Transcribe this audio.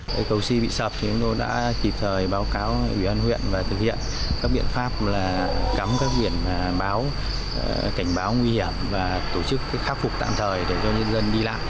cây cầu xin bị sập thì chúng tôi đã kịp thời báo cáo ủy ban huyện và thực hiện các biện pháp là cắm các biển báo cảnh báo nguy hiểm và tổ chức khắc phục tạm thời để cho nhân dân đi lại